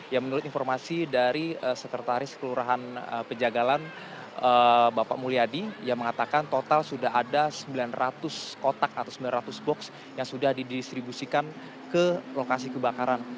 ya menurut informasi dari sekretaris kelurahan pejagalan bapak mulyadi yang mengatakan total sudah ada sembilan ratus kotak atau sembilan ratus box yang sudah didistribusikan ke lokasi kebakaran